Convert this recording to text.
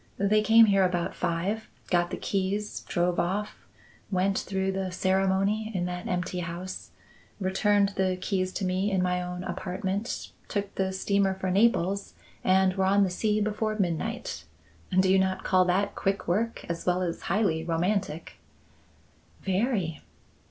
They came here about five, got the keys, drove off, went through the ceremony in that empty house, returned the keys to me in my own apartment, took the steamer for Naples, and were on the sea before midnight. Do you not call that quick work as well as highly romantic?" "Very."